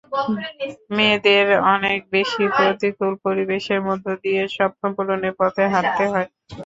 মেয়েদের অনেক বেশি প্রতিকূল পরিবেশের মধ্য দিয়ে স্বপ্ন পূরণের পথে হাঁটতে হয়।